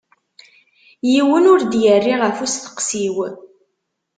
Yiwen ur d-yerri ɣef usteqsi-w.